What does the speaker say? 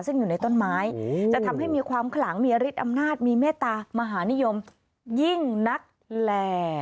ซึ่งอยู่ในต้นไม้จะทำให้มีความขลังมีฤทธิอำนาจมีเมตตามหานิยมยิ่งนักแหล่